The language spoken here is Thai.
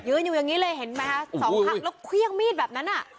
อยู่อย่างนี้เลยเห็นไหมคะสองพักแล้วเครื่องมีดแบบนั้นอ่ะ